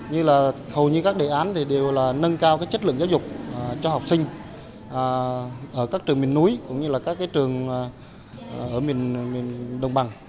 hầu như các đề án đều nâng cao chất lượng giáo dục cho học sinh ở các trường miền núi cũng như các trường ở miền đông bằng